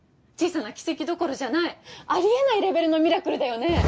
小さな奇跡どころじゃないありえないレベルのミラクルだよね